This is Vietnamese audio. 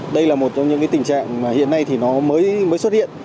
đây là một trong những tình trạng mà hiện nay thì nó mới xuất hiện